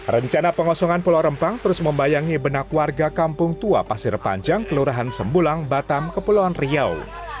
rencana pengosongan pulau rempang terus membayangi benak warga kampung tua pasir panjang kelurahan sembulang batam kepulauan riau